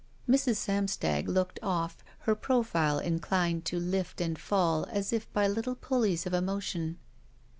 Mrs. Samstag looked off, her profile inclined to lift and fall as if by little pulleys of emotion.